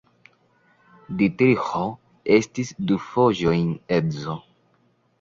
Ditriĥo estis du fojojn edzo.